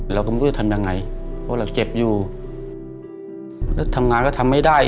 เราก็ไม่รู้จะทำยังไงเพราะเราเจ็บอยู่แล้วทำงานก็ทำไม่ได้